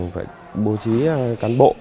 phải bố trí cán bộ